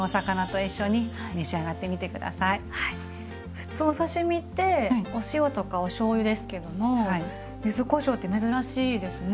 普通お刺身ってお塩とかおしょうゆですけども柚子こしょうって珍しいですね。